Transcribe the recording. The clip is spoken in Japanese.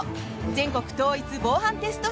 全国統一防犯テスト